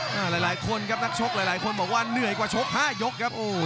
หลายคนครับนักชกหลายคนบอกว่าเหนื่อยกว่าชก๕ยกครับ